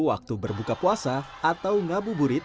waktu berbuka puasa atau ngabuburit